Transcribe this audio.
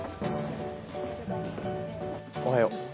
おはよう。